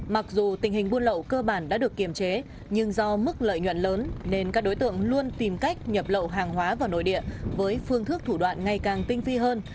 mặc dù tình hình buôn lậu cơ bản đã được kiềm chế nhưng do mức lợi nhuận lớn nên các đối tượng luôn tìm cách nhập lậu hàng hóa vào nội địa với phương thức thủ đoạn ngày càng tinh phi hơn